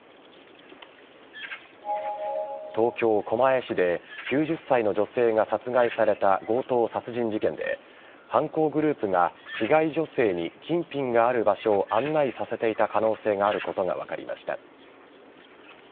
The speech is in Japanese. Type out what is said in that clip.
東京・狛江市で９０歳の女性が殺害された強盗殺人事件で犯行グループが被害女性に金品がある場所を案内させていた可能性があることが分かりました。